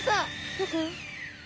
どこ？